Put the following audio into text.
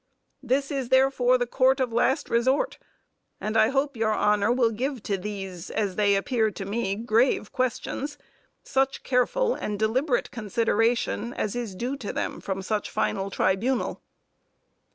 This is therefore the court of last resort, and I hope your honor will give to these, as they appear to me, grave questions, such careful and deliberate consideration as is due to them from such final tribunal.